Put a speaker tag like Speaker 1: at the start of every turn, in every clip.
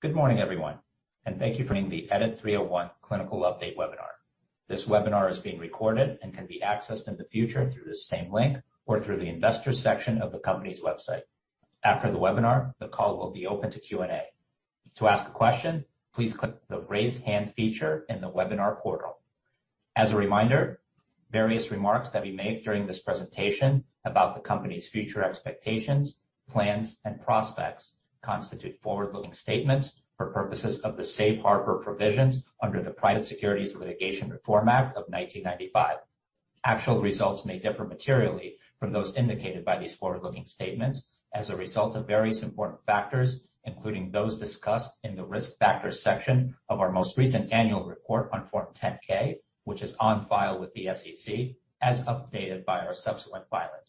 Speaker 1: Good morning, everyone, and thank you for joining the EDIT-301 clinical update webinar. This webinar is being recorded and can be accessed in the future through the same link or through the investor section of the company's website. After the webinar, the call will be open to Q&A. To ask a question, please click the Raise Hand feature in the webinar portal. As a reminder, various remarks that we make during this presentation about the company's future expectations, plans, and prospects constitute forward-looking statements for purposes of the safe harbor provisions under the Private Securities Litigation Reform Act of 1995. Actual results may differ materially from those indicated by these forward-looking statements as a result of various important factors, including those discussed in the Risk Factors section of our most recent annual report on Form 10-K, which is on file with the SEC, as updated by our subsequent filings.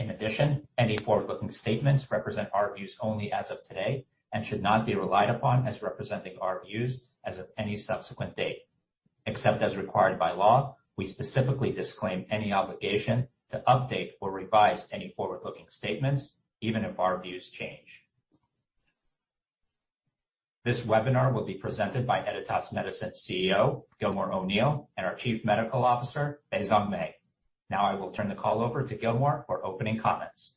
Speaker 1: In addition, any forward-looking statements represent our views only as of today and should not be relied upon as representing our views as of any subsequent date. Except as required by law, we specifically disclaim any obligation to update or revise any forward-looking statements, even if our views change. This webinar will be presented by Editas Medicine CEO, Gilmore O'Neill, and our Chief Medical Officer, Baisong Mei. Now I will turn the call over to Gilmore for opening comments.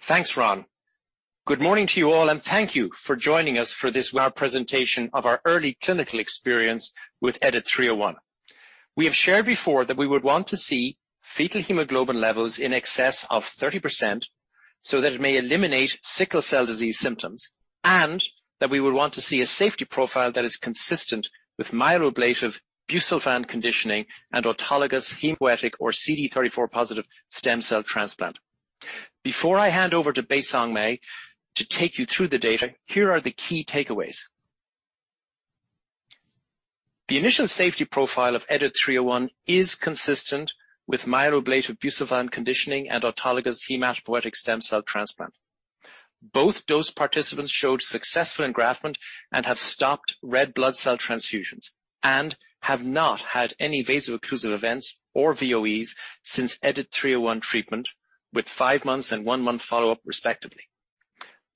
Speaker 2: Thanks, Ron. Good morning to you all, thank you for joining us for this web presentation of our early clinical experience with EDIT-301. We have shared before that we would want to see fetal hemoglobin levels in excess of 30% so that it may eliminate sickle cell disease symptoms, and that we would want to see a safety profile that is consistent with myeloablative busulfan conditioning and autologous hematopoietic or CD 34 positive stem cell transplant. Before I hand over to Baisong Mei to take you through the data, here are the key takeaways. The initial safety profile of EDIT-301 is consistent with myeloablative busulfan conditioning and autologous hematopoietic stem cell transplant. Both dose participants showed successful engraftment and have stopped red blood cell transfusions and have not had any vaso-occlusive events or VOEs since EDIT-301 treatment, with five months and one month follow-up, respectively.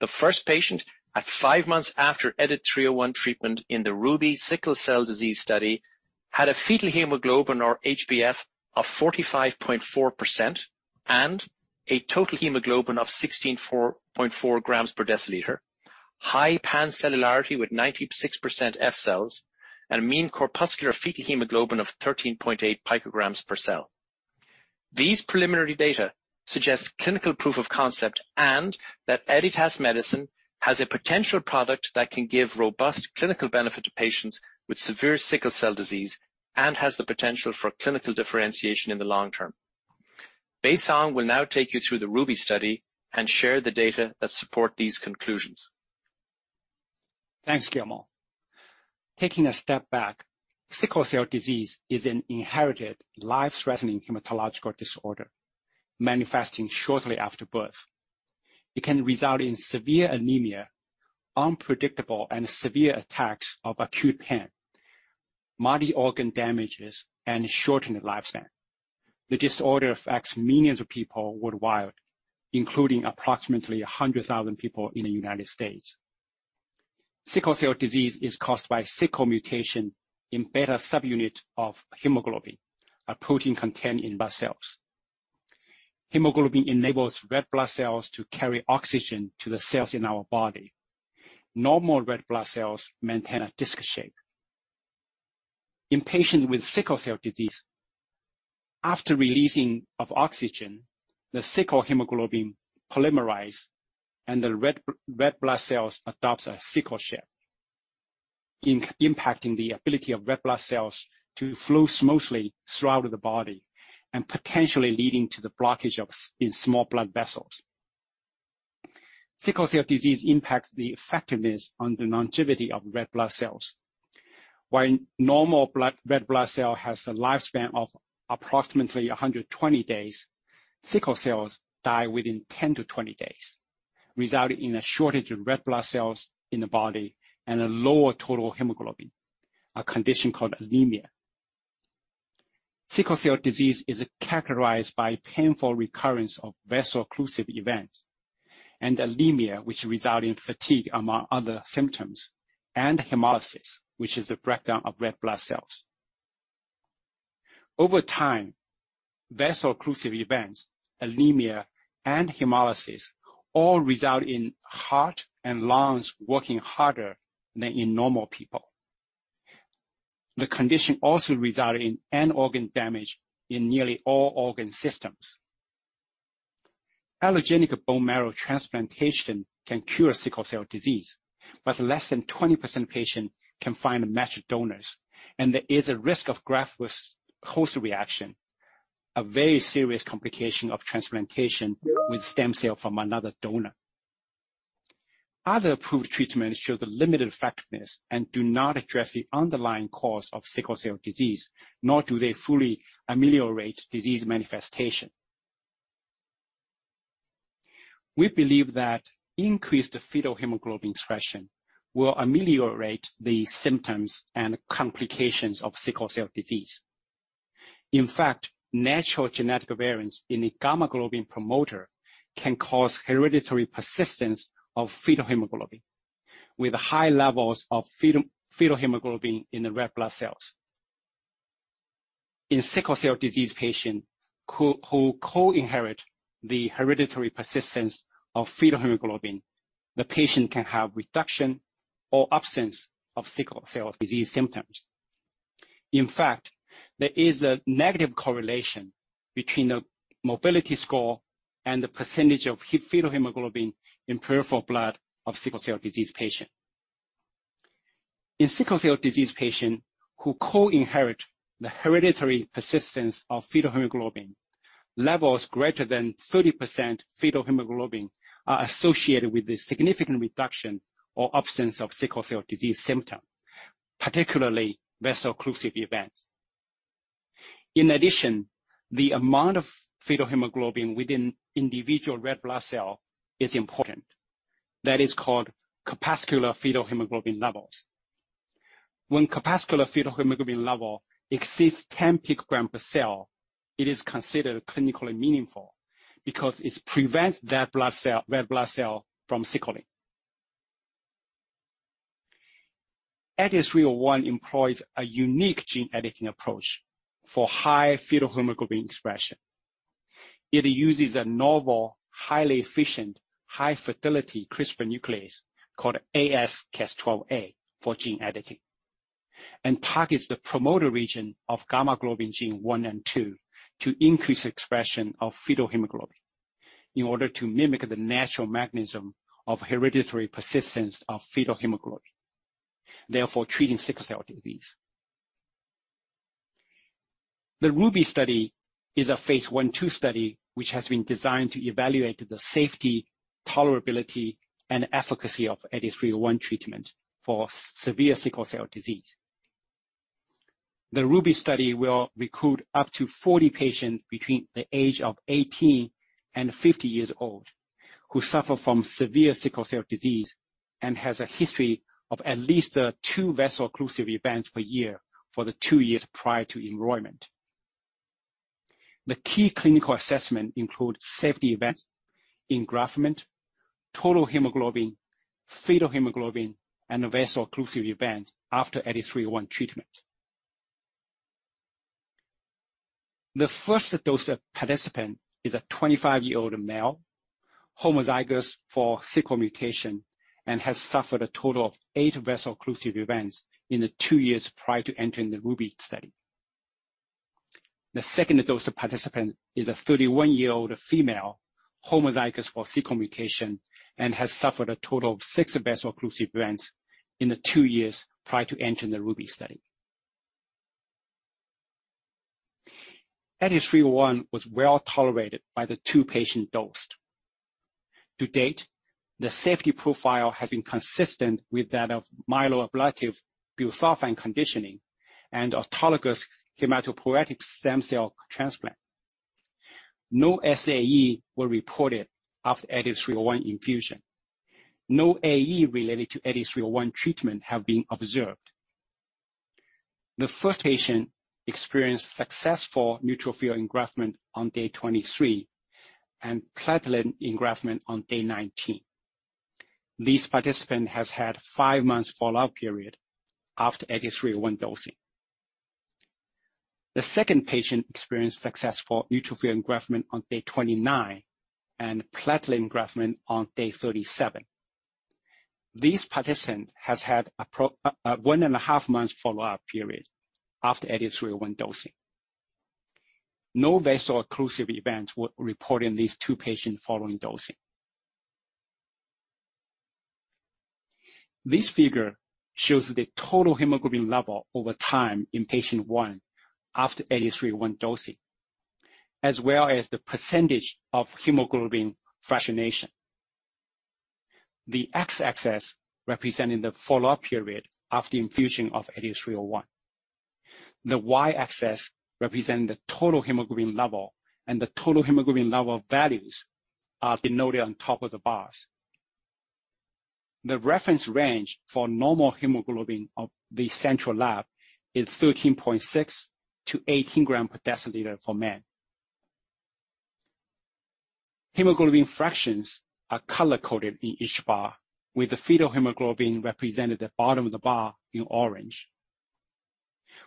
Speaker 2: The first patient, at five months after EDIT-301 treatment in the RUBY sickle cell disease study, had a fetal hemoglobin, or HBF, of 45.4% and a total hemoglobin of 16.4 g/dL, high pan-cellularity with 96% F-cells, and a mean corpuscular fetal hemoglobin of 13.8 pg per cell. These preliminary data suggest clinical proof of concept and that Editas Medicine has a potential product that can give robust clinical benefit to patients with severe sickle cell disease and has the potential for clinical differentiation in the long term. Baisong will now take you through the RUBY study and share the data that support these conclusions.
Speaker 3: Thanks, Gilmore. Taking a step back, sickle cell disease is an inherited life-threatening hematological disorder manifesting shortly after birth. It can result in severe anemia, unpredictable and severe attacks of acute pain, multi-organ damages, and shortened lifespan. The disorder affects millions of people worldwide, including approximately 100,000 people in the United States. Sickle cell disease is caused by sickle mutation in beta subunit of hemoglobin, a protein contained in blood cells. Hemoglobin enables red blood cells to carry oxygen to the cells in our body. Normal red blood cells maintain a disc shape. In patients with sickle cell disease, after releasing of oxygen, the sickle hemoglobin polymerize and the red blood cells adopts a sickle shape, impacting the ability of red blood cells to flow smoothly throughout the body and potentially leading to the blockage in small blood vessels. Sickle cell disease impacts the effectiveness on the longevity of red blood cells. While normal red blood cell has a lifespan of approximately 120 days, sickle cells die within 10-20 days, resulting in a shortage of red blood cells in the body and a lower total hemoglobin, a condition called anemia. Sickle cell disease is characterized by painful recurrence of vaso-occlusive events and anemia, which result in fatigue, among other symptoms, and hemolysis, which is the breakdown of red blood cells. Over time, vaso-occlusive events, anemia, and hemolysis all result in heart and lungs working harder than in normal people. The condition also result in end organ damage in nearly all organ systems. Allogeneic bone marrow transplantation can cure sickle cell disease, less than 20% patient can find matched donors, and there is a risk of graft versus host reaction, a very serious complication of transplantation with stem cell from another donor. Other approved treatments show the limited effectiveness and do not address the underlying cause of sickle cell disease, nor do they fully ameliorate disease manifestation. We believe that increased fetal hemoglobin expression will ameliorate the symptoms and complications of sickle cell disease. In fact, natural genetic variants in the gamma globin promoter can cause hereditary persistence of fetal hemoglobin with high levels of fetal hemoglobin in the red blood cells. In sickle cell disease patient who co-inherit the hereditary persistence of fetal hemoglobin, the patient can have reduction or absence of sickle cell disease symptoms. In fact, there is a negative correlation between the mobility score and the % of fetal hemoglobin in peripheral blood of sickle cell disease patient. In sickle cell disease patient who co-inherit the hereditary persistence of fetal hemoglobin, levels greater than 30% fetal hemoglobin are associated with a significant reduction or absence of sickle cell disease symptom, particularly vaso-occlusive events. In addition, the amount of fetal hemoglobin within individual red blood cell is important. That is called mean corpuscular fetal hemoglobin levels. When mean corpuscular fetal hemoglobin level exceeds 10 picogram per cell, it is considered clinically meaningful because it prevents that red blood cell from sickling. EDIT-301 employs a unique gene editing approach for high fetal hemoglobin expression. It uses a novel, highly efficient, high fidelity CRISPR nuclease called AsCas12a for gene editing, and targets the promoter region of gamma globin gene 1 and 2 to increase expression of fetal hemoglobin in order to mimic the natural mechanism of hereditary persistence of fetal hemoglobin, therefore, treating sickle cell disease. The RUBY study is a phase I/II study which has been designed to evaluate the safety, tolerability, and efficacy of EDIT-301 treatment for severe sickle cell disease. The RUBY study will recruit up to 40 patients between the age of 18 and 50 years old who suffer from severe sickle cell disease and has a history of at least two vaso-occlusive events per year for the two years prior to enrollment. The key clinical assessment includes safety events, engraftment, total hemoglobin, fetal hemoglobin, and vaso-occlusive event after EDIT-301 treatment. The first dosed participant is a 25-year-old male, homozygous for sickle mutation and has suffered a total of 8 vaso-occlusive events in the two years prior to entering the RUBY study. The second dosed participant is a 31-year-old female, homozygous for C mutation and has suffered a total of six vaso-occlusive events in the two years prior to entering the RUBY study. EDIT-301 was well-tolerated by the two patients dosed. To date, the safety profile has been consistent with that of myeloablative busulfan conditioning and autologous hematopoietic stem cell transplant. No SAE were reported after EDIT-301 infusion. No AE related to EDIT-301 treatment have been observed. The first patient experienced successful neutrophil engraftment on day 23 and platelet engraftment on day 19. This participant has had 5 months follow-up period after EDIT-301 dosing. The second patient experienced successful neutrophil engraftment on day 29 and platelet engraftment on day 37. This participant has had one and a half months follow-up period after EDIT-301 dosing. No vaso-occlusive events were reported in these two patients following dosing. This figure shows the total hemoglobin level over time in patient one after EDIT-301 dosing, as well as the % of hemoglobin fractionation. The X-axis representing the follow-up period after infusion of EDIT-301. The Y-axis representing the total hemoglobin level, and the total hemoglobin level values are denoted on top of the bars. The reference range for normal hemoglobin of the central lab is 13.6 to 18 g/dL for men. Hemoglobin fractions are color-coded in each bar, with the fetal hemoglobin represented at bottom of the bar in orange.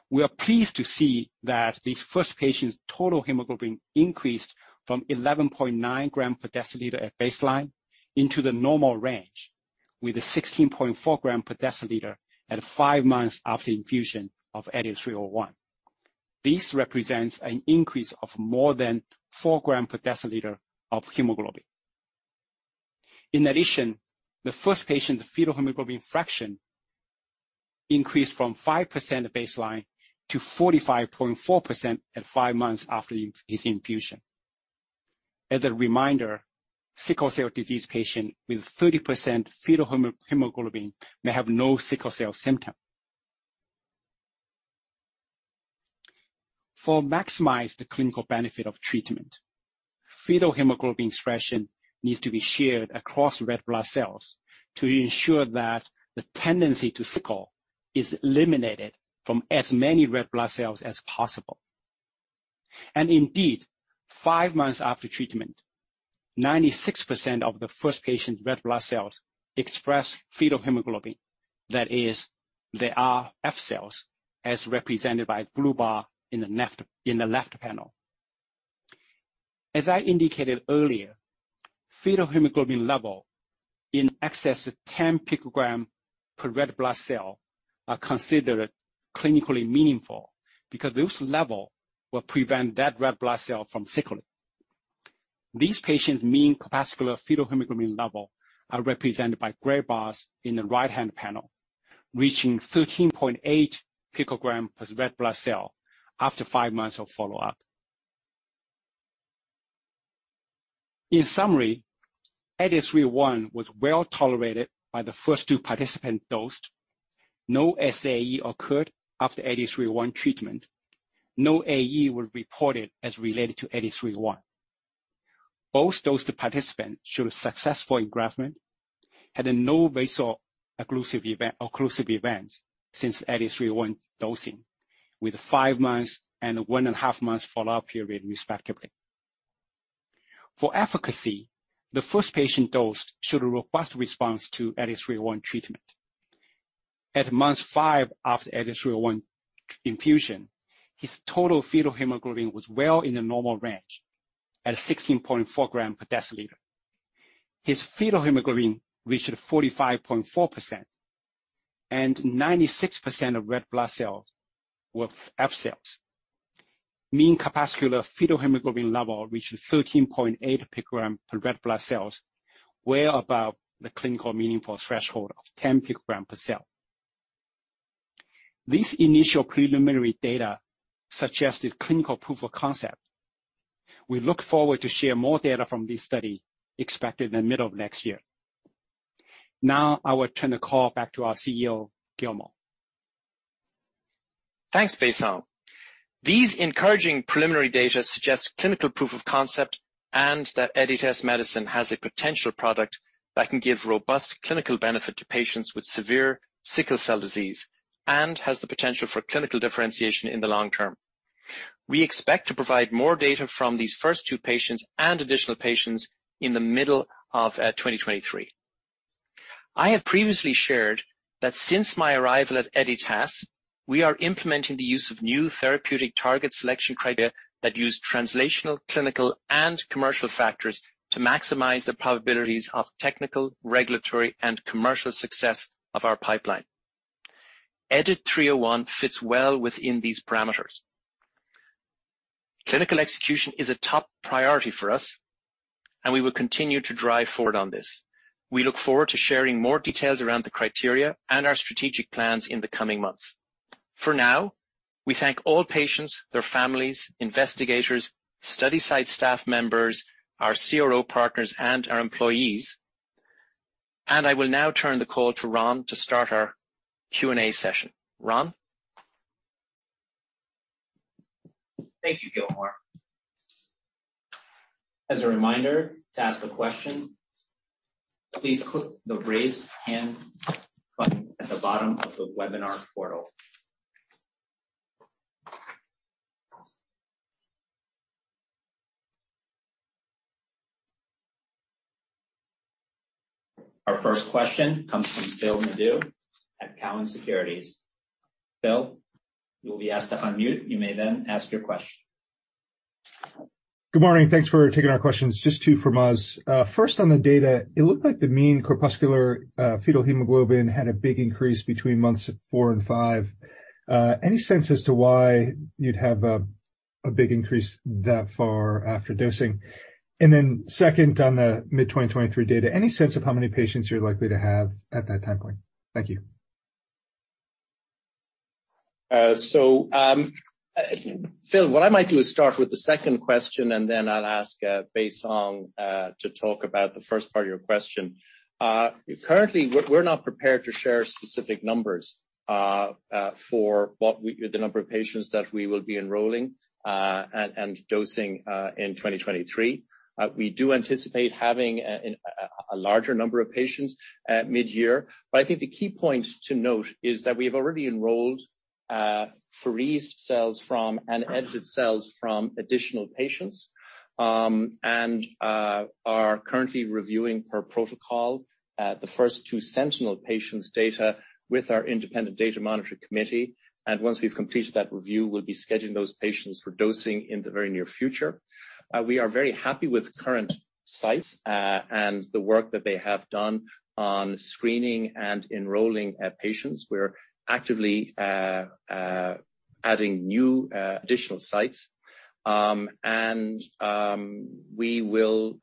Speaker 3: We are pleased to see that this first patient's total hemoglobin increased from 11.9 g/dL at baseline into the normal range with a 16.4 g/dL at 5 months after infusion of EDIT-301. This represents an increase of more than 4 g/dL of hemoglobin. The first patient fetal hemoglobin fraction increased from 5% at baseline to 45.4% at 5 months after his infusion. As a reminder, sickle cell disease patient with 30% fetal hemoglobin may have no sickle cell symptom. For maximize the clinical benefit of treatment, fetal hemoglobin expression needs to be shared across red blood cells to ensure that the tendency to sickle is eliminated from as many red blood cells as possible. Five months after treatment, 96% of the first patient's red blood cells expressed fetal hemoglobin, that is, they are F-cells, as represented by the blue bar in the left panel. As I indicated earlier, fetal hemoglobin level in excess of 10 pg per red blood cell are considered clinically meaningful because those level will prevent that red blood cell from sickling. These patients' mean corpuscular fetal hemoglobin level are represented by gray bars in the right-hand panel, reaching 13.8 pg per red blood cell after five months of follow-up. In summary, EDIT-301 was well-tolerated by the first two participants dosed. No SAE occurred after EDIT-301 treatment. No AE was reported as related to EDIT-301. Both dosed participants showed successful engraftment, had no vaso-occlusive events since EDIT-301 dosing, with five months and one and a half months follow-up period, respectively. For efficacy, the first patient dosed showed a robust response to EDIT-301 treatment. At month five after EDIT-301 infusion, his total fetal hemoglobin was well in the normal range at 16.4 g/dL. His fetal hemoglobin reached 45.4% and 96% of red blood cells were F-cells. Mean corpuscular fetal hemoglobin level reached 13.8 pg per red blood cells, well above the clinical meaningful threshold of 10 pg per cell. This initial preliminary data suggested clinical proof of concept. We look forward to share more data from this study expected in the middle of next year. I will turn the call back to our CEO, Gilmore.
Speaker 2: Thanks, Baisong. These encouraging preliminary data suggest clinical proof of concept and that Editas Medicine has a potential product that can give robust clinical benefit to patients with severe sickle cell disease and has the potential for clinical differentiation in the long term. We expect to provide more data from these first two patients and additional patients in the middle of 2023. I have previously shared that since my arrival at Editas, we are implementing the use of new therapeutic target selection criteria that use translational, clinical, and commercial factors to maximize the probabilities of technical, regulatory, and commercial success of our pipeline. EDIT-301 fits well within these parameters. Clinical execution is a top priority for us, we will continue to drive forward on this. We look forward to sharing more details around the criteria and our strategic plans in the coming months. For now, we thank all patients, their families, investigators, study site staff members, our CRO partners, and our employees. I will now turn the call to Ron to start our Q&A session. Ron?
Speaker 1: Thank you, Gilmore. As a reminder, to ask a question, please click the Raise Hand button at the bottom of the webinar portal. Our first question comes from Philip Nadeau at TD Cowen. Phil, you will be asked to unmute. You may then ask your question.
Speaker 4: Good morning. Thanks for taking our questions. Just two from us. First, on the data, it looked like the mean corpuscular fetal hemoglobin had a big increase between months four and five. Any sense as to why you'd have a big increase that far after dosing? Second, on the mid-2023 data, any sense of how many patients you're likely to have at that time point? Thank you.
Speaker 2: Phil, what I might do is start with the second question and then I'll ask Baisong to talk about the first part of your question. Currently, we're not prepared to share specific numbers for the number of patients that we will be enrolling and dosing in 2023. We do anticipate having a larger number of patients at mid-year. I think the key point to note is that we have already enrolled freeze cells from and EDIT cells from additional patients and are currently reviewing per protocol the first two sentinel patients' data with our Independent Data Monitoring Committee. Once we've completed that review, we'll be scheduling those patients for dosing in the very near future. We are very happy with current sites and the work that they have done on screening and enrolling our patients. We're actively adding new additional sites. And we will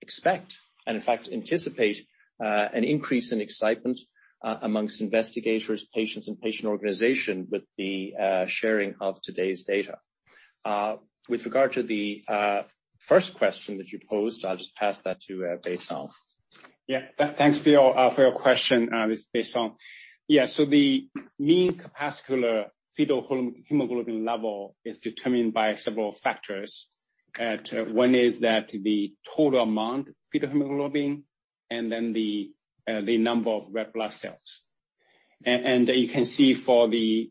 Speaker 2: expect and in fact anticipate an increase in excitement amongst investigators, patients, and patient organization with the sharing of today's data. With regard to the first question that you posed, I'll just pass that to Baisong.
Speaker 3: Thanks for your question, this is Baisong. The mean corpuscular fetal hemoglobin level is determined by several factors. One is that the total amount fetal hemoglobin and then the number of red blood cells. You can see for the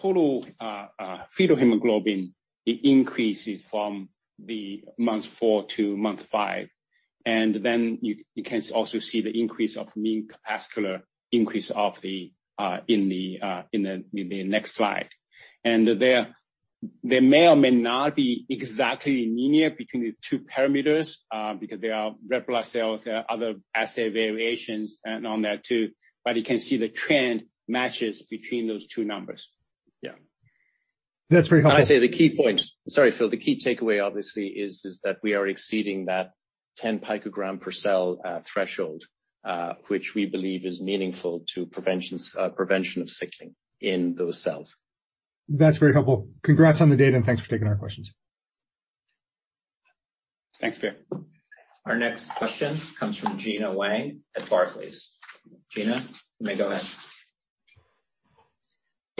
Speaker 3: total fetal hemoglobin, it increases from the month four to month five. You can also see the increase of mean corpuscular in the next slide. There may or may not be exactly linear between these two parameters because there are red blood cells, there are other assay variations and on there too. You can see the trend matches between those two numbers.
Speaker 4: That's very helpful.
Speaker 2: Can I say the key point. Sorry, Phil. The key takeaway obviously is that we are exceeding that 10 pg per cell threshold, which we believe is meaningful to preventions, prevention of sickling in those cells.
Speaker 4: That's very helpful. Congrats on the data, and thanks for taking our questions.
Speaker 2: Thanks, Phil.
Speaker 1: Our next question comes from Gena Wang at Barclays. Gena, you may go ahead.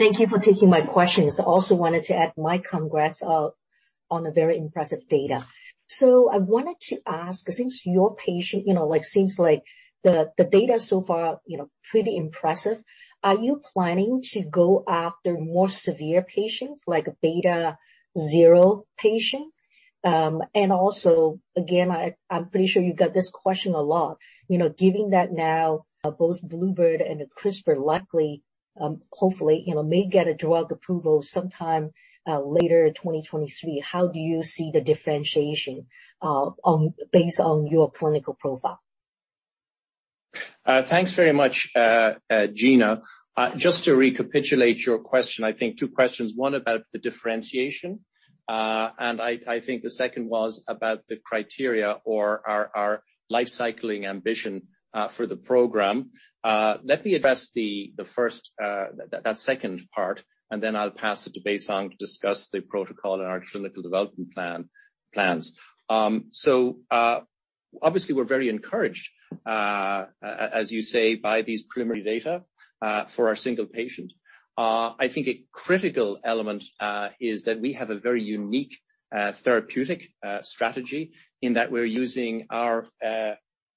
Speaker 5: Thank you for taking my questions. I also wanted to add my congrats on a very impressive data. I wanted to ask, since your patient, you know, like, seems like the data so far, you know, pretty impressive, are you planning to go after more severe patients like beta-zero patient? Again, I'm pretty sure you got this question a lot. You know, given that now both Bluebird and CRISPR likely, hopefully, you know, may get a drug approval sometime later in 2023, how do you see the differentiation based on your clinical profile?
Speaker 2: Thanks very much, Gena. Just to recapitulate your question, I think two questions. One about the differentiation, and I think the second was about the criteria or our life cycling ambition for the program. Let me address the first, that second part, and then I'll pass it to Baisong to discuss the protocol and our clinical development plans. Obviously we're very encouraged, as you say, by these preliminary data for our single patient. I think a critical element is that we have a very unique therapeutic strategy in that we're using our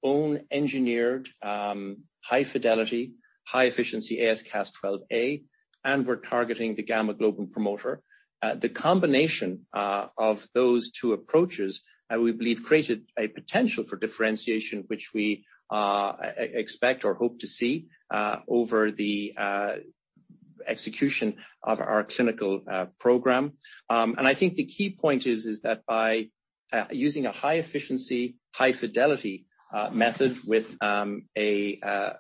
Speaker 2: own engineered high fidelity, high efficiency AsCas12a, and we're targeting the gamma-globin promoter. The combination of those two approaches, we believe created a potential for differentiation, which we expect or hope to see over the execution of our clinical program. I think the key point is that by using a high efficiency, high fidelity method with a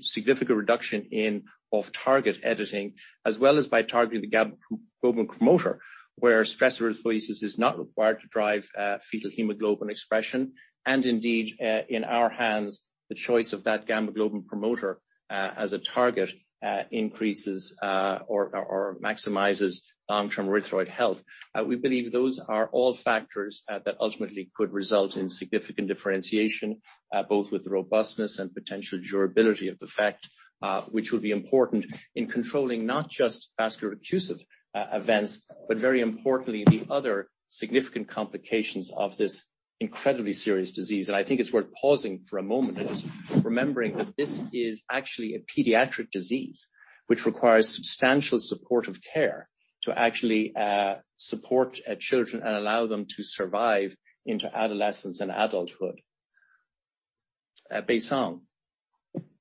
Speaker 2: significant reduction in off-target editing, as well as by targeting the gamma-globin promoter, where stress erythropoiesis is not required to drive fetal hemoglobin expression. Indeed, in our hands, the choice of that gamma-globin promoter as a target increases or maximizes long-term erythroid health. We believe those are all factors that ultimately could result in significant differentiation, both with robustness and potential durability of the effect, which will be important in controlling not just vaso-occlusive events, but very importantly, the other significant complications of this incredibly serious disease. I think it's worth pausing for a moment and just remembering that this is actually a pediatric disease which requires substantial supportive care to actually support children and allow them to survive into adolescence and adulthood. Baisong.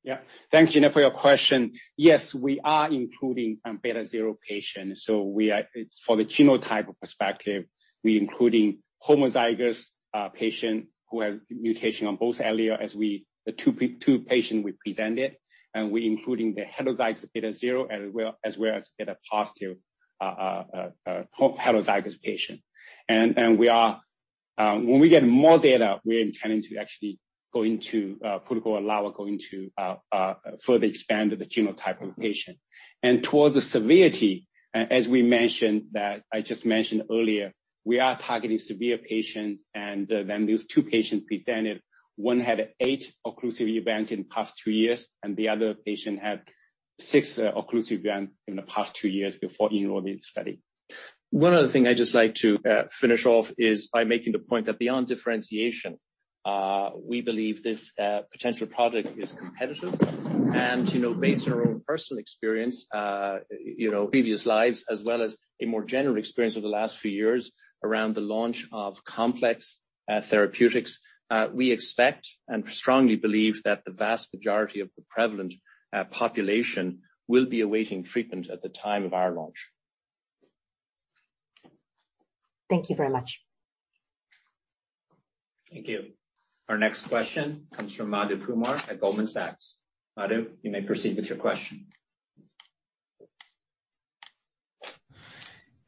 Speaker 3: Yeah. Thanks, Gena, for your question. Yes, we are including beta-zero patients. It's for the genotype perspective. We including homozygous patient who have mutation on both allele as we, the two patient we presented, and we including the heterozygous beta-zero as well, as well as beta-plus homozygous patient. We are, when we get more data, we are intending to actually go into protocol allow or go into further expand the genotype of the patient. Towards the severity, as we mentioned that, I just mentioned earlier, we are targeting severe patients. When these two patients presented, one had 8 occlusive event in past 2 years, and the other patient had six occlusive event in the past two years before enrolling in the study.
Speaker 2: One other thing I'd just like to finish off is by making the point that beyond differentiation, we believe this potential product is competitive. You know, based on our own personal experience, you know, previous lives, as well as a more general experience over the last few years around the launch of complex therapeutics, we expect and strongly believe that the vast majority of the prevalent population will be awaiting treatment at the time of our launch.
Speaker 5: Thank you very much.
Speaker 1: Thank you. Our next question comes from Madhu Kumar at Goldman Sachs. Madhu, you may proceed with your question.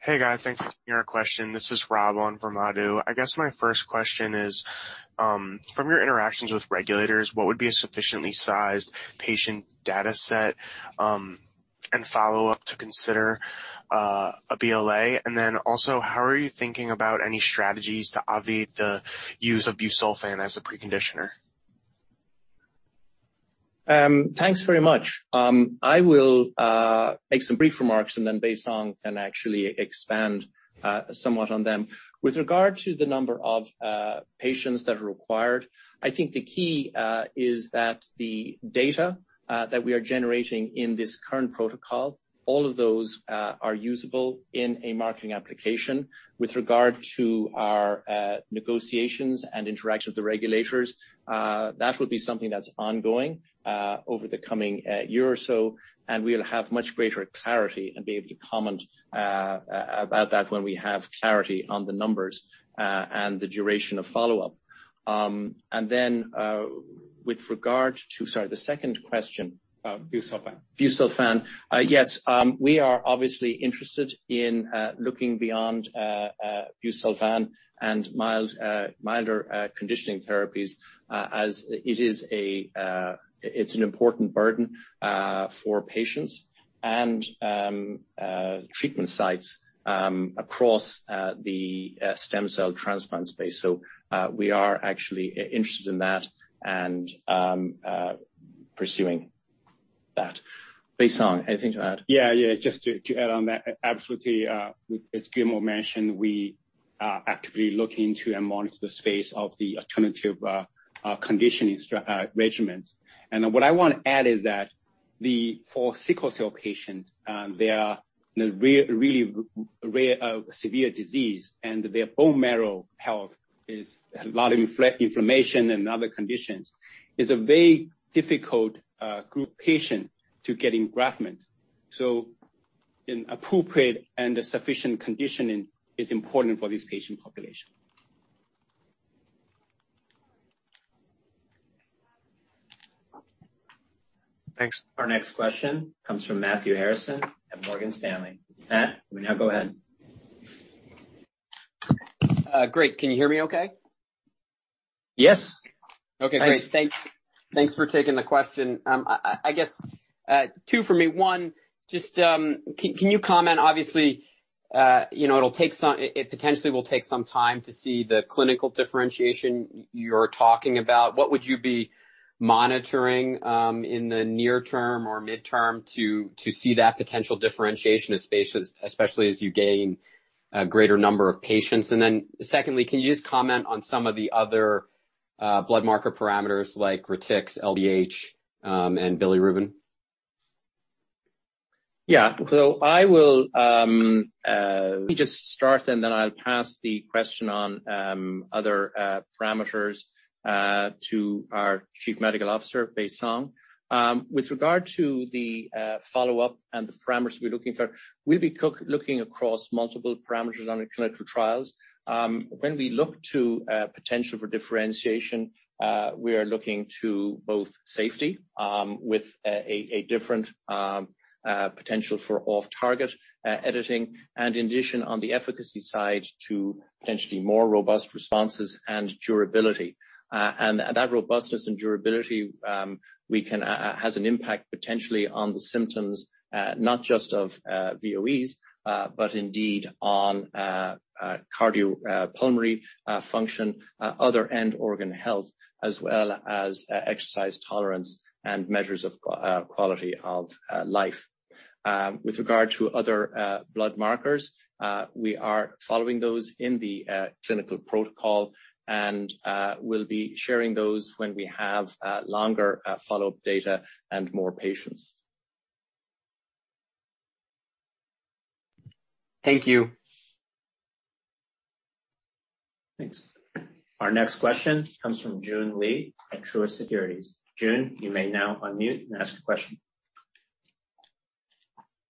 Speaker 6: Hey, guys. Thanks for taking our question. This is Rob on for Madhu. I guess my first question is, from your interactions with regulators, what would be a sufficiently sized patient data set? Follow-up to consider, a BLA. How are you thinking about any strategies to obviate the use of busulfan as a pre-conditioner?
Speaker 2: Thanks very much. I will make some brief remarks, and then Baisong can actually expand somewhat on them. With regard to the number of patients that are required, I think the key is that the data that we are generating in this current protocol, all of those are usable in a marketing application. With regard to our negotiations and interaction with the regulators, that will be something that's ongoing over the coming year or so, and we'll have much greater clarity and be able to comment about that when we have clarity on the numbers and the duration of follow-up. Sorry, the second question.
Speaker 3: Busulfan.
Speaker 2: Busulfan. Yes. We are obviously interested in looking beyond busulfan and milder conditioning therapies, as it's an important burden for patients and treatment sites across the stem cell transplant space. We are actually interested in that and pursuing that. Baisong, anything to add?
Speaker 3: Yeah, yeah, just to add on that, absolutely, as Gilmore mentioned, we are actively looking into and monitor the space of the alternative conditioning regimens. What I wanna add is that for sickle cell patient, they are in a really rare severe disease, and their bone marrow health is a lot of inflammation and other conditions. It's a very difficult group patient to get engraftment. An appropriate and sufficient conditioning is important for this patient population.
Speaker 6: Thanks.
Speaker 1: Our next question comes from Matthew Harrison at Morgan Stanley. Matt, you may now go ahead.
Speaker 7: Great. Can you hear me okay?
Speaker 2: Yes.
Speaker 7: Okay, great. Thanks for taking the question. I guess, two for me. One, just, can you comment, obviously, you know, it'll take some time to see the clinical differentiation you're talking about. What would you be monitoring in the near term or midterm to see that potential differentiation, especially as you gain a greater number of patients? Secondly, can you just comment on some of the other blood marker parameters like reticulocytes, LDH, and bilirubin?
Speaker 2: Yeah. I will let me just start, and then I'll pass the question on other parameters to our chief medical officer, Baisong. With regard to the follow-up and the parameters we're looking for, we'll be looking across multiple parameters on the clinical trials. When we look to potential for differentiation, we are looking to both safety with a different potential for off-target editing. In addition on the efficacy side to potentially more robust responses and durability. That robustness and durability has an impact potentially on the symptoms, not just of VOEs, but indeed on cardiopulmonary function, other end organ health, as well as exercise tolerance and measures of quality of life. With regard to other blood markers, we are following those in the clinical protocol and we'll be sharing those when we have longer follow-up data and more patients.
Speaker 7: Thank you.
Speaker 1: Thanks. Our next question comes from Joon Lee at Truist Securities. Joon, you may now unmute and ask a question.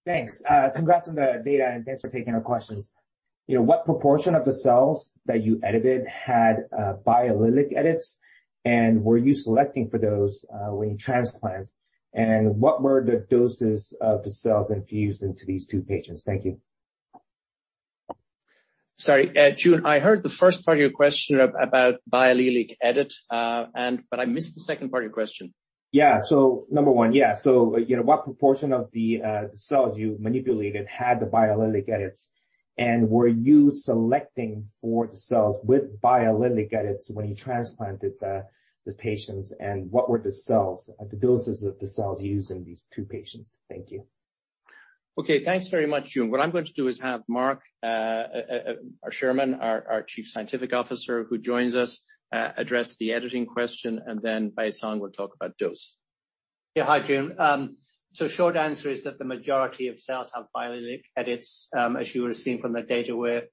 Speaker 8: Thanks. Congrats on the data, and thanks for taking our questions. You know, what proportion of the cells that you edited had biallelic edits? Were you selecting for those when you transplanted? What were the doses of the cells infused into these two patients? Thank you.
Speaker 2: Sorry, Joon Lee, I heard the first part of your question about biallelic edit, and but I missed the second part of your question.
Speaker 8: Yeah. Number one, yeah. You know, what proportion of the cells you manipulated had the biallelic edits? Were you selecting for the cells with biallelic edits when you transplanted the patients, what were the cells, the doses of the cells used in these two patients? Thank you.
Speaker 2: Okay, thanks very much, Joon. What I'm going to do is have Mark, our chairman, our chief scientific officer who joins us, address the editing question, and then Baisong will talk about dose.
Speaker 9: Yeah. Hi, Joon. Short answer is that the majority of cells have biallelic edits, as you would have seen from the data where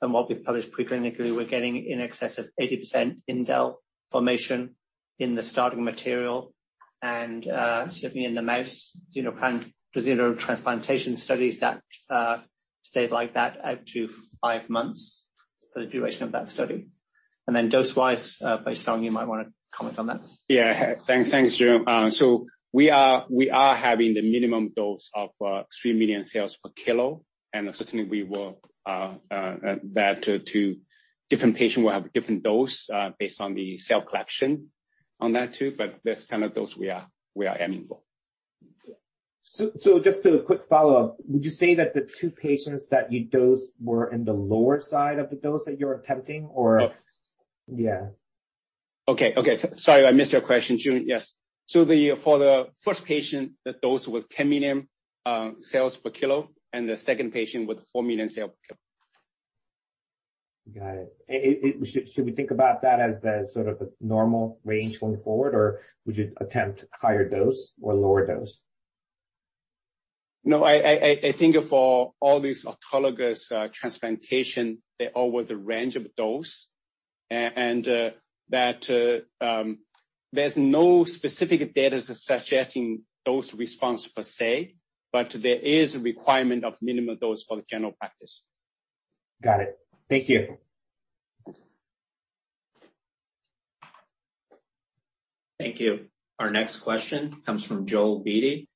Speaker 9: from what we've published pre-clinically, we're getting in excess of 80% indel formation in the starting material. Certainly in the mouse xenotransplantation studies that stayed like that up to 5 months for the duration of that study. Dose-wise, Baisong, you might wanna comment on that. Yeah. Thanks, Joon. We are having the minimum dose of 3 million cells per kilo, and certainly, we will that to different patient will have different dose based on the cell collection.
Speaker 2: On that too, but that's kind of those we are aiming for.
Speaker 8: Just a quick follow-up. Would you say that the two patients that you dosed were in the lower side of the dose that you're attempting or?
Speaker 2: No.
Speaker 8: Yeah.
Speaker 2: Okay. Okay. Sorry, I missed your question, Joon. Yes. For the first patient, the dose was 10 million cells per kilo. The second patient was 4 million cell per kilo.
Speaker 8: Got it. Should we think about that as the sort of the normal range going forward, or would you attempt higher dose or lower dose?
Speaker 2: No, I think for all these autologous transplantation, they're all with a range of dose and that there's no specific data suggesting dose response per se, but there is a requirement of minimum dose for the general practice.
Speaker 8: Got it. Thank you.
Speaker 1: Thank you. Our next question comes from Joel Beatty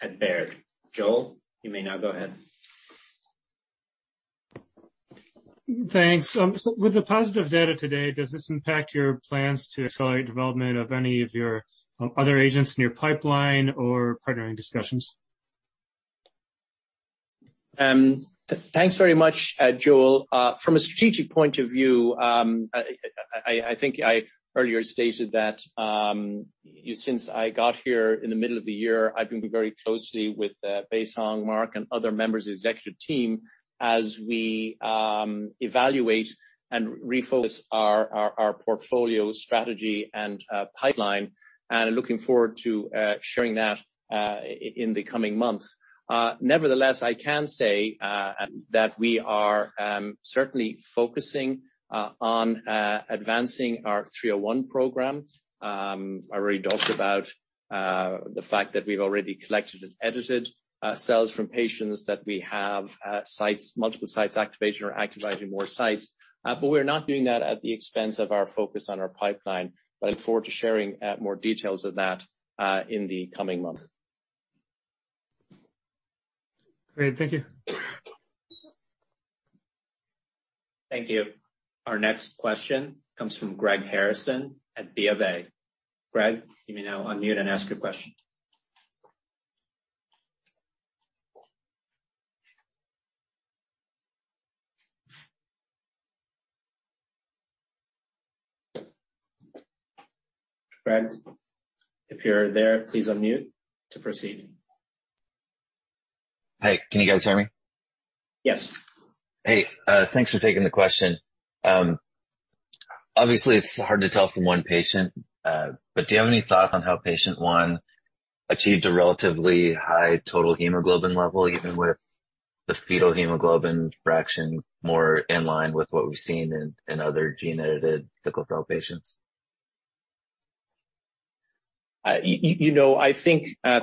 Speaker 1: at Baird. Joel, you may now go ahead.
Speaker 10: Thanks. With the positive data today, does this impact your plans to accelerate development of any of your other agents in your pipeline or partnering discussions?
Speaker 2: Thanks very much, Joel. From a strategic point of view, I think I earlier stated that since I got here in the middle of the year, I've been working very closely with Baisong, Mark, and other members of the executive team as we evaluate and refocus our portfolio strategy and pipeline, and looking forward to sharing that in the coming months. Nevertheless, I can say that we are certainly focusing on advancing our EDIT-301 program. I already talked about the fact that we've already collected and edited cells from patients that we have sites, multiple sites activated or activating more sites. We're not doing that at the expense of our focus on our pipeline, but I look forward to sharing more details of that in the coming months.
Speaker 10: Great. Thank you.
Speaker 1: Thank you. Our next question comes from Greg Harrison at BofA. Greg, you may now unmute and ask your question. Greg, if you're there, please unmute to proceed.
Speaker 11: Hey, can you guys hear me?
Speaker 1: Yes.
Speaker 11: Hey, thanks for taking the question. Obviously it's hard to tell from one patient, do you have any thoughts on how patient one achieved a relatively high total hemoglobin level, even with the fetal hemoglobin fraction more in line with what we've seen in other gene-edited sickle cell patients?
Speaker 2: You know,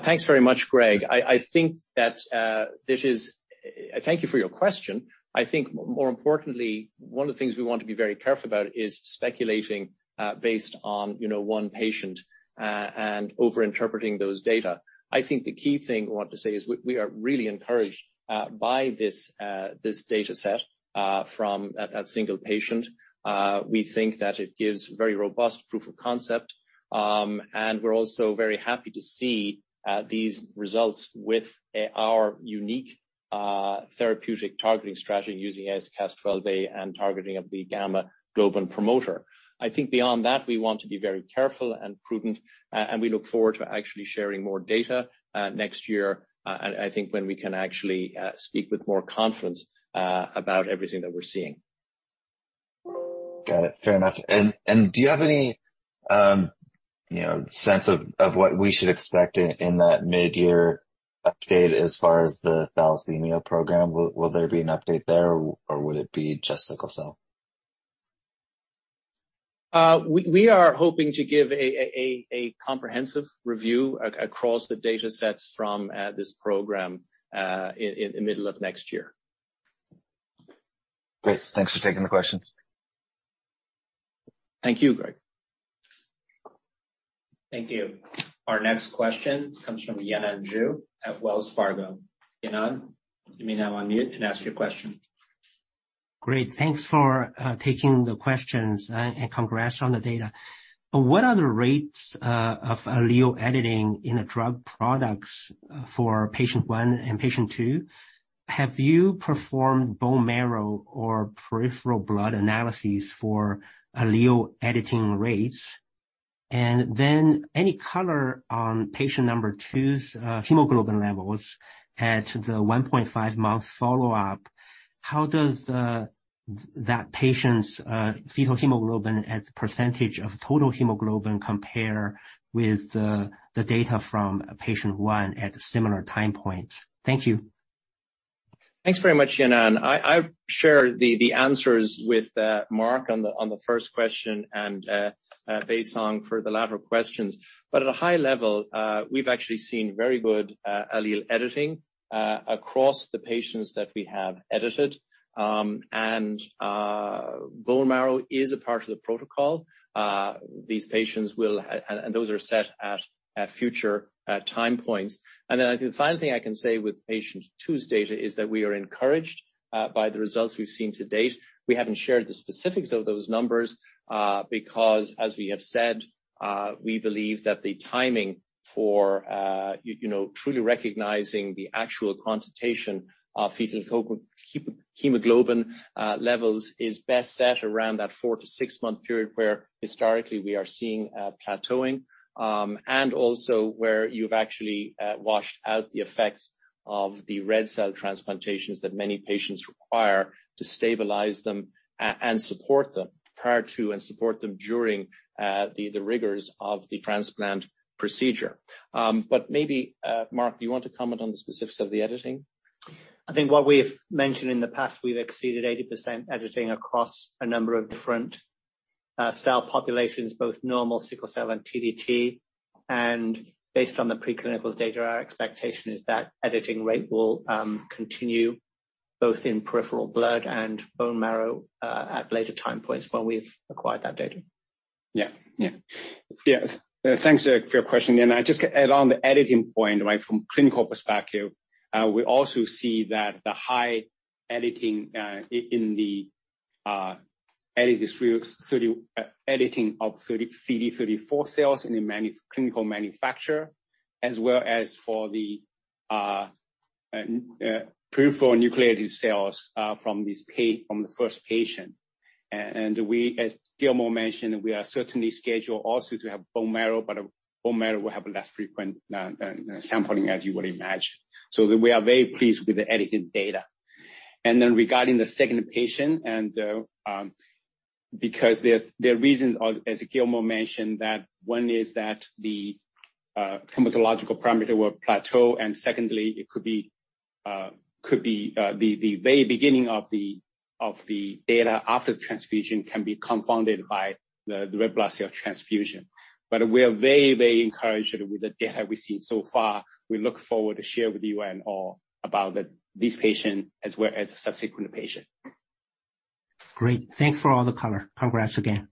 Speaker 2: thanks very much, Greg. I think that, thank you for your question. I think more importantly, one of the things we want to be very careful about is speculating, based on, you know, one patient, and over-interpreting those data. I think the key thing I want to say is we are really encouraged by this data set from that single patient. We think that it gives very robust proof of concept. We're also very happy to see these results with our unique therapeutic targeting strategy using AsCas12a and targeting of the gamma-globin promoter. I think beyond that, we want to be very careful and prudent, and we look forward to actually sharing more data, next year, and I think when we can actually, speak with more confidence, about everything that we're seeing.
Speaker 11: Got it. Fair enough. Do you have any, you know, sense of what we should expect in that mid-year update as far as the thalassemia program? Will there be an update there, or will it be just sickle cell?
Speaker 2: We are hoping to give a comprehensive review across the data sets from this program in the middle of next year.
Speaker 11: Great. Thanks for taking the question.
Speaker 2: Thank you, Greg.
Speaker 1: Thank you. Our next question comes from Yanan Zhu at Wells Fargo. Yanan, you may now unmute and ask your question.
Speaker 12: Great. Thanks for and congrats on the data. What are the rates of allele editing in the drug products for patient one and patient two? Have you performed bone marrow or peripheral blood analyses for allele editing rates? Any color on patient number two's hemoglobin levels at the One and a half month follow-up, how does that patient's fetal hemoglobin as a percentage of total hemoglobin compare with the data from patient one at similar time points? Thank you.
Speaker 2: Thanks very much, Yanan. I share the answers with Mark on the first question and Baisong for the latter questions. At a high level, we've actually seen very good allele editing across the patients that we have edited. Bone marrow is a part of the protocol. Those are set at future time points. The final thing I can say with patient two's data is that we are encouraged by the results we've seen to date. We haven't shared the specifics of those numbers because as we have said, we believe that the timing for you know, truly recognizing the actual quantitation of fetal hemoglobin levels is best set around that four to six-month period, where historically we are seeing plateauing. Also where you've actually washed out the effects of the red cell transplantations that many patients require to stabilize them and support them prior to and support them during the rigors of the transplant procedure. Maybe, Mark, do you want to comment on the specifics of the editing?
Speaker 9: I think what we've mentioned in the past, we've exceeded 80% editing across a number of different cell populations, both normal sickle cell and TDT. Based on the preclinical data, our expectation is that editing rate will continue both in peripheral blood and bone marrow at later time points when we've acquired that data.
Speaker 2: Yeah. Yeah.
Speaker 3: Thanks for your question. I just add on the editing point, right from clinical perspective, we also see that the high editing in the EDIT-301 editing of 30 CD34 cells in a clinical manufacture as well as for the peripheral nucleated cells from the first patient. As Gilmore mentioned, we are certainly scheduled also to have bone marrow, but bone marrow will have a less frequent sampling, as you would imagine. We are very pleased with the editing data. Regarding the second patient, because there are reasons, as Gilmore mentioned, that one is that the hematological parameter will plateau, and secondly, it could be the very beginning of the data after the transfusion can be confounded by the red blood cell transfusion. We are very encouraged with the data we've seen so far. We look forward to share with you and all about this patient as well as the subsequent patient.
Speaker 12: Great. Thanks for all the color. Congrats again.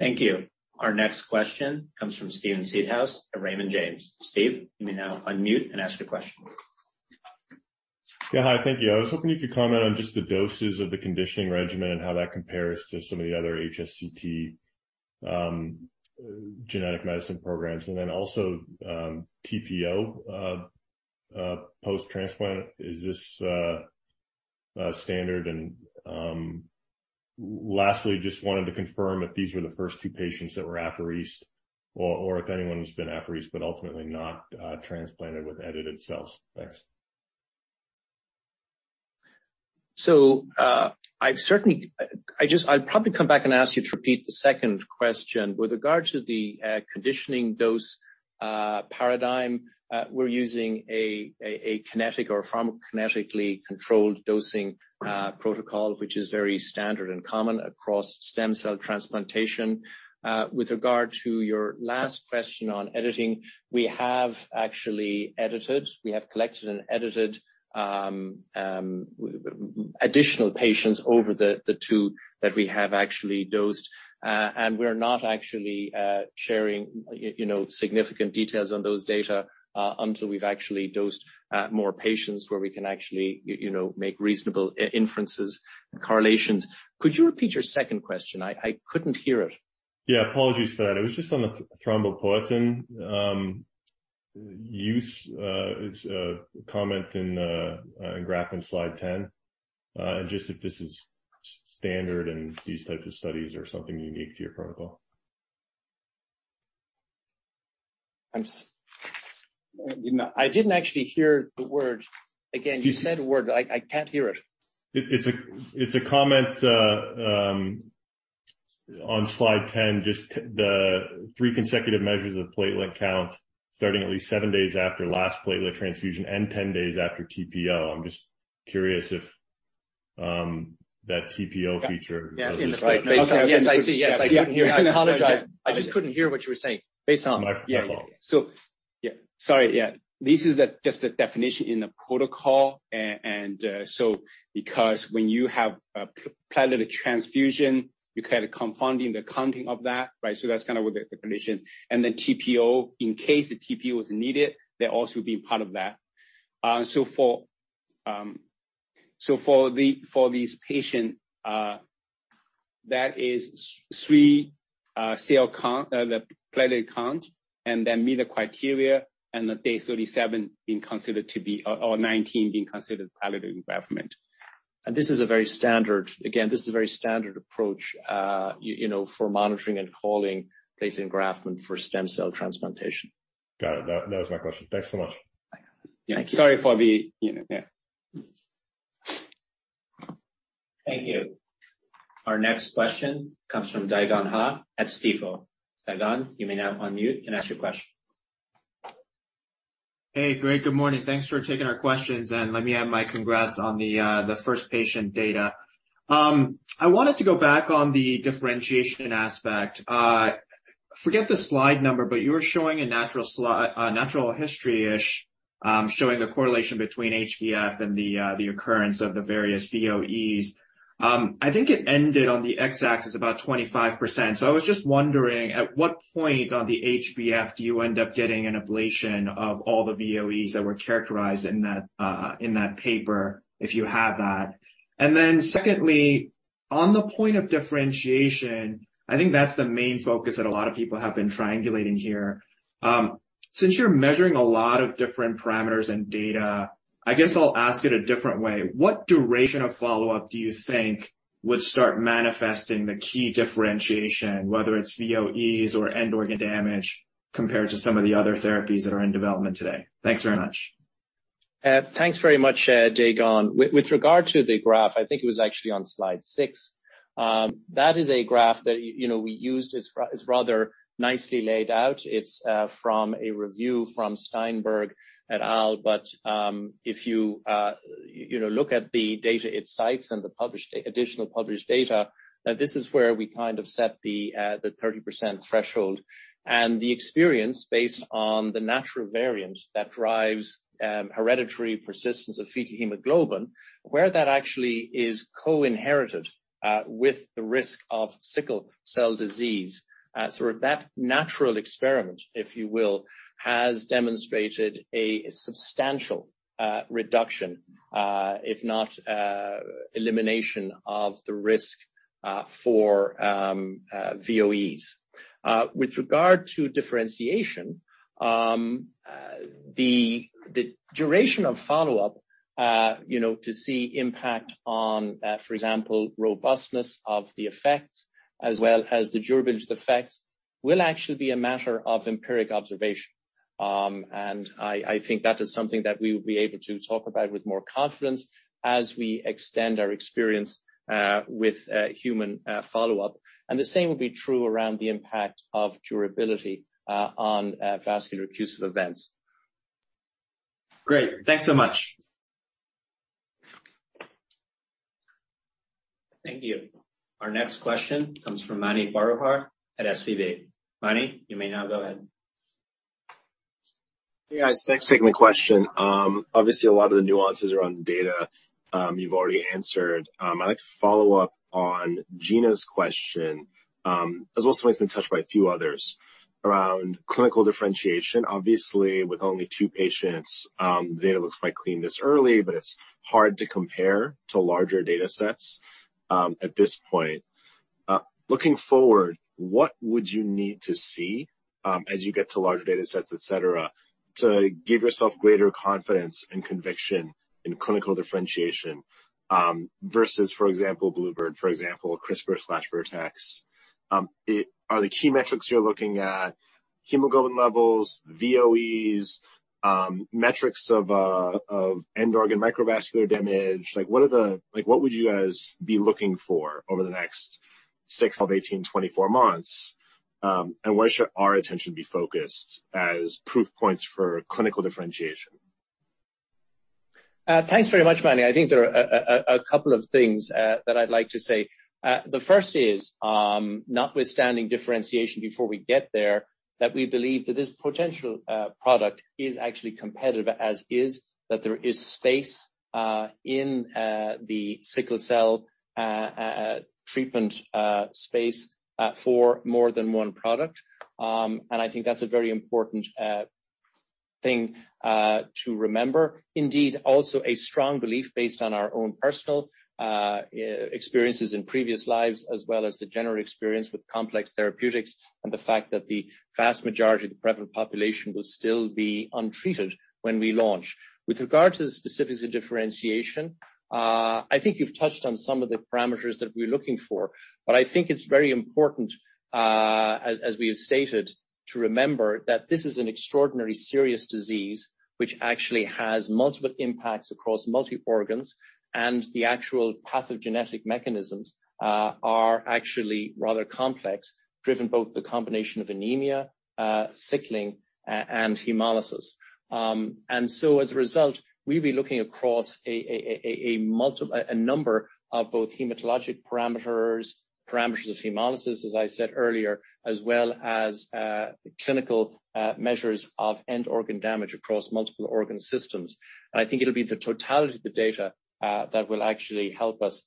Speaker 1: Thank you. Our next question comes from Steve Seedhouse at Raymond James. Steve, you may now unmute and ask your question.
Speaker 13: Yeah. Hi. Thank you. I was hoping you could comment on just the doses of the conditioning regimen and how that compares to some of the other HSCT genetic medicine programs, and then also TPO post-transplant. Is this standard? Lastly, just wanted to confirm if these were the first two patients that were apheresed or if anyone who's been apheresed but ultimately not transplanted with edited cells. Thanks.
Speaker 2: I certainly, I'll probably come back and ask you to repeat the second question. With regards to the conditioning dose paradigm, we're using a kinetic or pharmacokinetically controlled dosing protocol, which is very standard and common across stem cell transplantation. With regard to your last question on editing, we have actually edited. We have collected and edited additional patients over the two that we have actually dosed. We're not actually sharing, you know, significant details on those data until we've actually dosed more patients where we can actually, you know, make reasonable inferences and correlations. Could you repeat your second question? I couldn't hear it.
Speaker 13: Yeah. Apologies for that. It was just on the thrombopoietin use. It's a comment in graph in slide 10. Just if this is standard in these types of studies or something unique to your protocol?
Speaker 2: You know, I didn't actually hear the word. Again, you said a word, but I can't hear it.
Speaker 13: It's a comment on slide 10, just the three consecutive measures of platelet count starting at least seven days after last platelet transfusion and 10 days after TPO. I'm just curious if that TPO.
Speaker 2: Yeah. In the slide.
Speaker 3: Based on.
Speaker 2: Yes, I see. Yes, I can hear. I apologize. I just couldn't hear what you were saying.
Speaker 3: Based on?
Speaker 13: My fault.
Speaker 3: Yeah. Sorry, yeah. This is just the definition in the protocol and because when you have a platelet transfusion, you kinda confounding the counting of that, right? That's kinda with the condition. TPO, in case the TPO is needed, that also be part of that. For this patient, that is three cell count, the platelet count and meet the criteria and the day 37 being considered to be or 19 being considered platelet engraftment. Again, this is a very standard approach, you know, for monitoring and calling platelet engraftment for stem cell transplantation.
Speaker 13: Got it. That was my question. Thanks so much.
Speaker 2: Yeah. Sorry for the, you know, yeah.
Speaker 1: Thank you. Our next question comes from Dae Gon Ha at Stifel. Dae Gon, you may now unmute and ask your question.
Speaker 14: Hey, great. Good morning. Thanks for taking our questions, and let me add my congrats on the first patient data. I wanted to go back on the differentiation aspect. Forget the slide number, but you were showing a natural history-ish, showing a correlation between HBF and the occurrence of the various VOEs. I think it ended on the X-axis about 25%. I was just wondering, at what point on the HBF do you end up getting an ablation of all the VOEs that were characterized in that in that paper, if you have that. Then secondly, on the point of differentiation, I think that's the main focus that a lot of people have been triangulating here. Since you're measuring a lot of different parameters and data, I guess I'll ask it a different way. What duration of follow-up do you think would start manifesting the key differentiation, whether it's VOEs or end organ damage, compared to some of the other therapies that are in development today? Thanks very much.
Speaker 2: Thanks very much, Dae Gon. With regard to the graph, I think it was actually on slide six. That is a graph that, you know, we used. It's rather nicely laid out. It's from a review from Steinberg et al. If you know, look at the data it cites and the published additional published data, this is where we kind of set the 30% threshold. The experience based on the natural variant that drives hereditary persistence of fetal hemoglobin, where that actually is co-inherited with the risk of sickle cell disease. Sort of that natural experiment, if you will, has demonstrated a substantial reduction, if not elimination of the risk for VOEs. Uh, with regard to differentiation, um, uh, the, the duration of follow-up, uh, you know, to see impact on, uh, for example, robustness of the effects as well as the durable effects will actually be a matter of empiric observation. Um, and I, I think that is something that we will be able to talk about with more confidence as we extend our experience, uh, with, uh, human, uh, follow-up. And the same will be true around the impact of durability, uh, on, uh, vascular occlusive events.
Speaker 14: Great. Thanks so much.
Speaker 1: Thank you. Our next question comes from Mani Foroohar at SVB. Manny, you may now go ahead.
Speaker 15: Hey, guys. Thanks for taking the question. Obviously, a lot of the nuances around the data, you've already answered. I'd like to follow up on Gena's question, as well as something that's been touched by a few others around clinical differentiation. Obviously, with only two patients, data looks quite clean this early, but it's hard to compare to larger data sets, at this point. Looking forward, what would you need to see, as you get to larger data sets, et cetera, to give yourself greater confidence and conviction in clinical differentiation, versus, for example, Bluebird, for example, CRISPR/Vertex? Are the key metrics you're looking at hemoglobin levels, VOEs, metrics of end organ microvascular damage? What would you guys be looking for over the next six, 12, 18, 24 months? Where should our attention be focused as proof points for clinical differentiation?
Speaker 2: Thanks very much, Manny. I think there are a couple of things that I'd like to say. The first is, notwithstanding differentiation before we get there, that we believe that this potential product is actually competitive as is, that there is space in the sickle cell treatment space for more than one product. I think that's a very important thing to remember. Also a strong belief based on our own personal experiences in previous lives, as well as the general experience with complex therapeutics and the fact that the vast majority of the prevalent population will still be untreated when we launch. With regard to the specifics of differentiation, I think you've touched on some of the parameters that we're looking for. I think it's very important, as we have stated, to remember that this is an extraordinary serious disease which actually has multiple impacts across multi organs, and the actual pathogenetic mechanisms are actually rather complex, driven both the combination of anemia, sickling, and hemolysis. As a result, we'll be looking across a number of both hematologic parameters of hemolysis, as I said earlier, as well as clinical measures of end organ damage across multiple organ systems. I think it'll be the totality of the data that will actually help us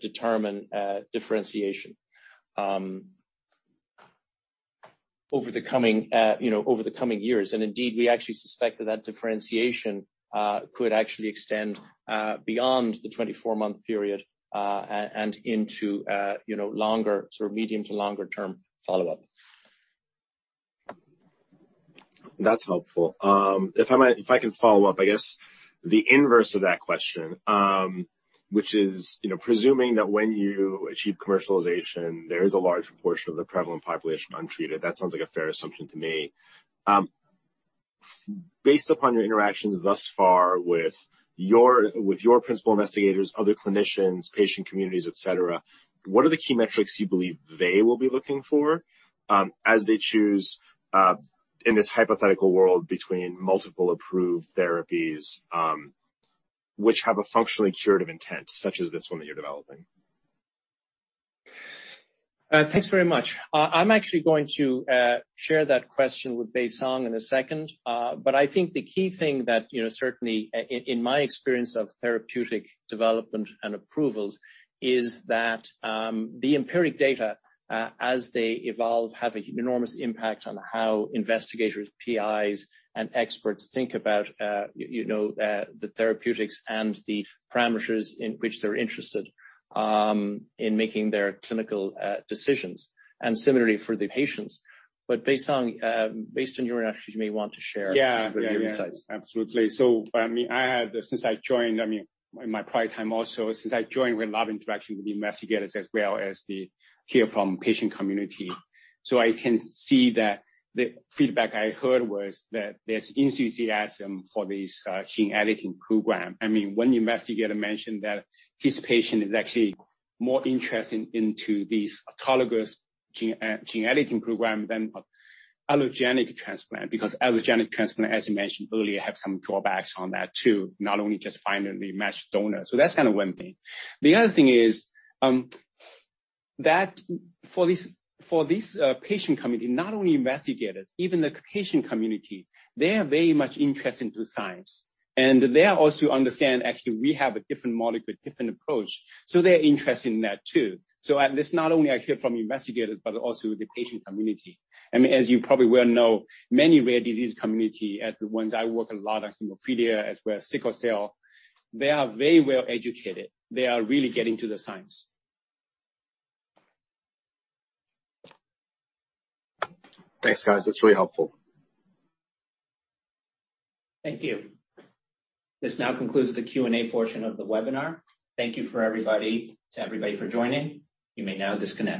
Speaker 2: determine differentiation, over the coming, you know, over the coming years. Indeed, we actually suspect that that differentiation, could actually extend, beyond the 24 month period, and into, you know, longer, sort of medium to longer term follow-up.
Speaker 15: That's helpful. If I might, if I can follow up, I guess the inverse of that question, which is, you know, presuming that when you achieve commercialization, there is a large portion of the prevalent population untreated. That sounds like a fair assumption to me. Based upon your interactions thus far with your principal investigators, other clinicians, patient communities, et cetera, what are the key metrics you believe they will be looking for, as they choose in this hypothetical world between multiple approved therapies, which have a functionally curative intent, such as this one that you're developing?
Speaker 2: Thanks very much. I'm actually going to share that question with Baisong in a second. I think the key thing that, you know, certainly in my experience of therapeutic development and approvals is that the empiric data, as they evolve, have a enormous impact on how investigators, PIs, and experts think about, you know, the therapeutics and the parameters in which they're interested in making their clinical decisions and similarly for the patients. Baisong, based on your interaction, you may want to share.
Speaker 3: Yeah.
Speaker 2: Your insights.
Speaker 3: Absolutely. I mean, I had... Since I joined, I mean, in my prior time also, since I joined, we had a lot of interaction with the investigators as well as the hear from patient community. I can see that the feedback I heard was that there's enthusiasm for this gene editing program. I mean, one investigator mentioned that his patient is actually more interested into these autologous gene editing program than allogeneic transplant. Allogeneic transplant, as you mentioned earlier, have some drawbacks on that too, not only just finding the matched donor. That's kinda one thing. The other thing is that for this, for this patient community, not only investigators, even the patient community, they are very much interested into science, and they are also understand actually we have a different molecule, different approach, so they're interested in that too. At least not only I hear from investigators, but also the patient community. I mean, as you probably well know, many rare disease community as the ones I work a lot on hemophilia, as well as sickle cell, they are very well educated. They are really getting to the science.
Speaker 15: Thanks, guys. That's really helpful.
Speaker 1: Thank you. This now concludes the Q&A portion of the webinar. Thank you for everybody, to everybody for joining. You may now disconnect.